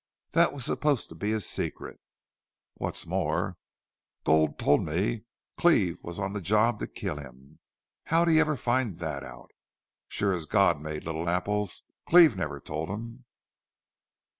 Thet was supposed to be a secret. What's more, Gul told me Cleve was on the job to kill him. How'd he ever find thet out?... Sure as God made little apples Cleve never told him!"